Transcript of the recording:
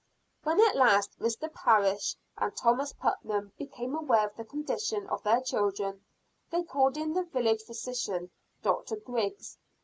When at last Mr. Parris and Thomas Putnam became aware of the condition of their children, they called in the village physician, Dr. Griggs.